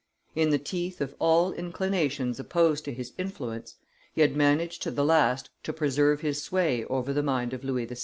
In the teeth of all inclinations opposed to his influence, he had managed to the last to preserve his sway over the mind of Louis XVI.